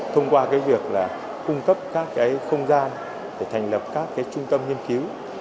thông qua việc cung cấp các không gian để thành lập các trung tâm nghiên cứu